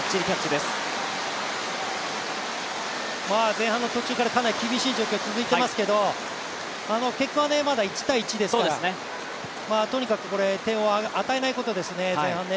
前半の途中からかなり厳しい状況が続いていますけれども、結果はまだ１−１ですから、とにかくこれ、点を与えないことですね、前半ね。